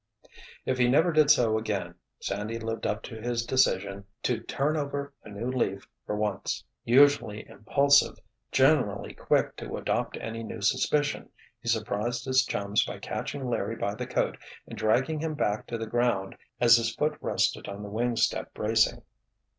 If he never did so again, Sandy lived up to his decision to turn over a new leaf for once. Usually impulsive, generally quick to adopt any new suspicion, he surprised his chums by catching Larry by the coat and dragging him back to the ground as his foot rested on the wing step bracing.